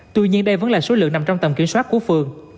tuy nhiên đây vẫn là số lượng nằm trong tầm kiểm soát của phường